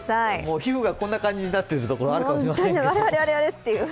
皮膚がこんな感じになっている方もいるかもしれませんね。